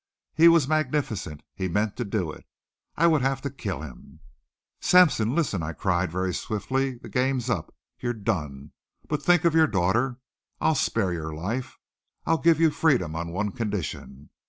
He was magnificent. He meant to do it. I would have to kill him. "Sampson, listen!" I cried, very swiftly. "The game's up! You're done! But think of your daughter! I'll spare your life, I'll give you freedom on one condition.